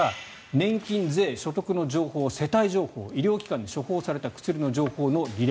年金、税、所得の情報世帯情報医療機関で処方された薬の情報の履歴。